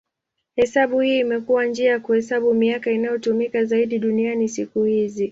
Hesabu hii imekuwa njia ya kuhesabu miaka inayotumika zaidi duniani siku hizi.